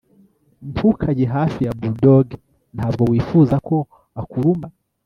ntukajye hafi ya bulldog ntabwo wifuza ko akuruma